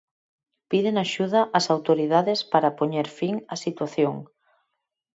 Piden axuda ás autoridades para poñer fin á situación.